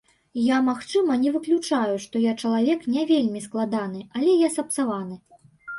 Я, магчыма, не выключаю, што я чалавек не вельмі складаны, яле я сапсаваны.